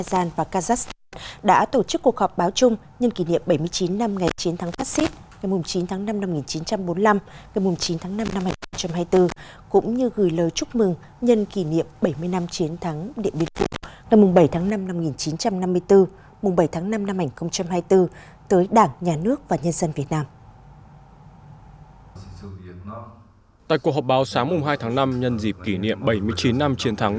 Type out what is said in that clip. tại cuộc họp báo sáng mùng hai tháng năm nhân dịp kỷ niệm bảy mươi chín năm chiến thắng